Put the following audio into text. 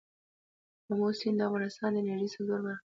آمو سیند د افغانستان د انرژۍ سکتور برخه ده.